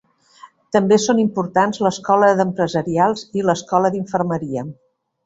També són importants l'escola d'empresarials i l'escola d'infermeria.